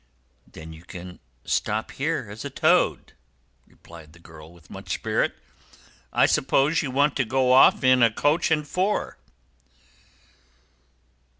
"Then you can stop here as a Toad," replied the girl with much spirit. "I suppose you want to go off in a coach and four!"